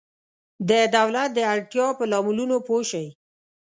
د دولت د اړتیا په لاملونو پوه شئ.